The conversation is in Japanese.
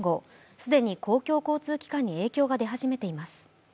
既に公共交通機関に影響が出始めています。